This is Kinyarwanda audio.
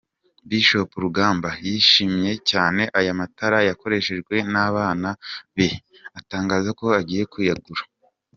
Bishop Rugamba yishimiye cyane aya matara yakoreshwejwe n'abana be, atangaza ko agiye kuyagura.